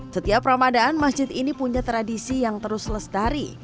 setiap ramadan masjid ini punya tradisi yang terus lestari